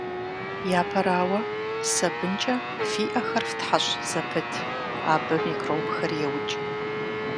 Япэрауэ, сабынкӀэ фи Ӏэхэр фтхьэщӀ зэпыт, абы микробхэр еукӀ.